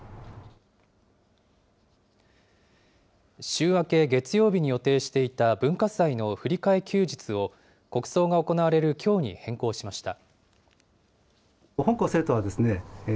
週明け月曜日に予定していた文化祭の振り替え休日を、国葬が行われるきょうに変更しました。